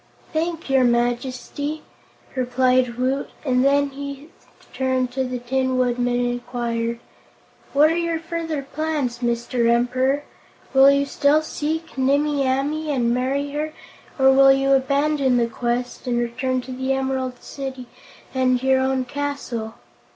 "Thank your Majesty," replied Woot, and then he turned to the Tin Woodman and inquired: "What are your further plans, Mr. Emperor? Will you still seek Nimmie Amee and marry her, or will you abandon the quest and return to the Emerald City and your own castle?"